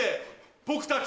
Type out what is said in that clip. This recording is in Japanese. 僕たち。